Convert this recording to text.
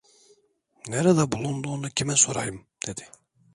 Nerede bulunduğunu kime sorayım?" dedi.